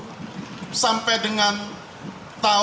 terkait penyelidikan terhadap pemerintah